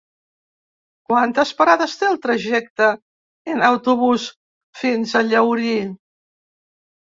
Quantes parades té el trajecte en autobús fins a Llaurí?